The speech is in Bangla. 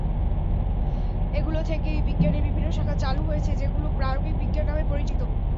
এগুলো থেকেই বিজ্ঞানের বিভিন্ন শাখা চালু হয়েছে, যেগুলো প্রায়োগিক বিজ্ঞান নামে পরিচিত।